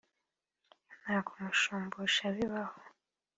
nta kumushumbusha bibaho